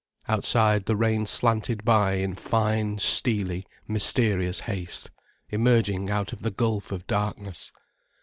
Outside, the rain slanted by in fine, steely, mysterious haste, emerging out of the gulf of darkness.